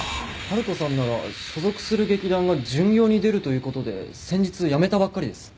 春子さんなら所属する劇団が巡業に出るという事で先日辞めたばっかりです。